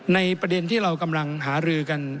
ประเด็นที่เรากำลังหารือกัน